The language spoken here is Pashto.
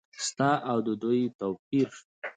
ستا او د دوی توپیر ؟